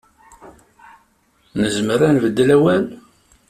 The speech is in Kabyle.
Nezmer ad nbeddel awal?